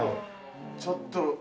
ちょっと！